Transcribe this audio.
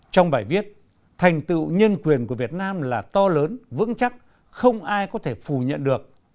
trong bài viết thành tựu nhân quyền của việt nam là to lớn vững chắc không ai có thể phủ nhận được